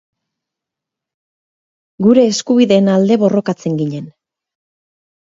gure eskubideen alde borrokatzen ginen